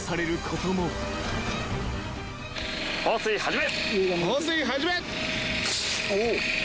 ・放水始め。